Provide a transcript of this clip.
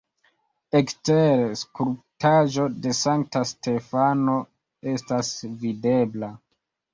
Ekstere skulptaĵo de Sankta Stefano estas videbla.